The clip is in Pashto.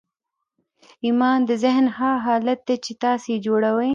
ایمان د ذهن هغه حالت دی چې تاسې یې جوړوئ